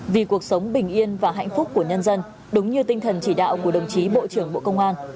vì cuộc sống bình yên và hạnh phúc của nhân dân đúng như tinh thần chỉ đạo của đồng chí bộ trưởng bộ công an